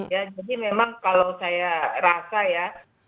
jadi memang kalau saya rasa ya